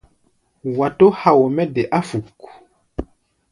Wa tó hao mɛ́ de áfuk.